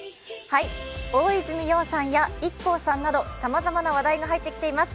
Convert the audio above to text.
大泉洋さんやＩＫＫＯさんなどさまざまな話題が入ってきています。